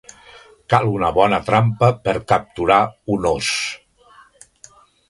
Cal una bona trampa per capturar un os.